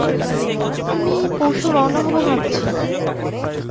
আমি পরশু রওনা হব ভাবছি।